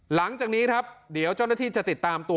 หลังจากนี้ครับเดี๋ยวเจ้าหน้าที่จะติดตามตัว